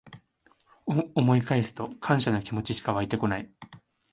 思い返すと感謝の気持ちしかわいてこない